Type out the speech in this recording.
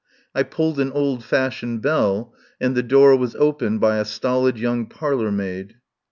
I pulled an old fashioned bell, and the door was opened by a stolid young parlour maid.